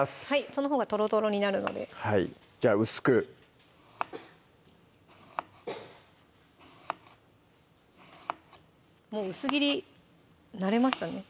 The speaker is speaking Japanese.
そのほうがとろとろになるのでじゃあ薄くもう薄切り慣れましたね